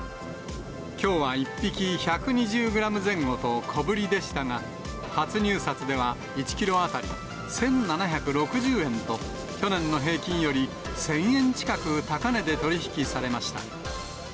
きょうは１匹１２０グラム前後と、小ぶりでしたが、初入札では、１キロ当たり１７６０円と、去年の平均より１０００円近く高値で取り引きされました。